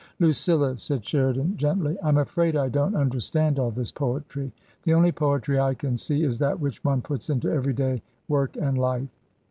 " Lucilla," said Sheridan, gently, " I'm afraid I don't understand all this poetry. The only poetry I can see is that which one puts into every day work and life."